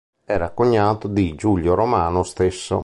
Era cognato di Giulio Romano stesso.